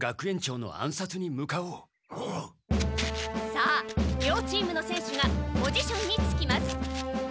さあ両チームの選手がポジションにつきます。